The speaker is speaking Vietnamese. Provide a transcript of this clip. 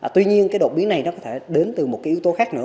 tuy nhiên cái đột biến này nó có thể đến từ một cái yếu tố khác nữa